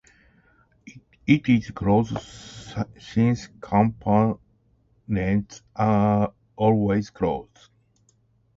It is closed since components are always closed.